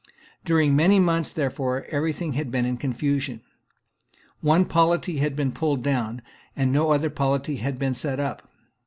During many months therefore every thing had been in confusion. One polity had been pulled down; and no other polity had been set up.